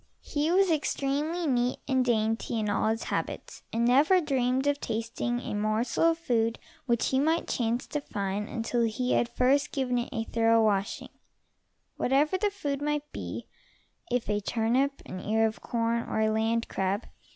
He was extremely neat and dainty in all his habits, and never dreamed of tasting a morsel of food which he might chance to find until he had first given it a thorough washing, whatever the food might be, if a turnip, an ear of corn or a land crab.